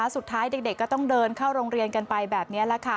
สุดท้ายเด็กก็ต้องเดินเข้าโรงเรียนกันไปแบบนี้แหละค่ะ